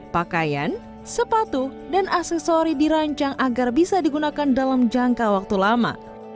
pakaian sepatu dan aksesori dirancang agar bisa digunakan dalam jangka waktu lama